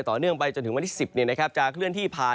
ต่อเนื่องไปจนถึงวันที่๑๐จะเคลื่อนที่ผ่าน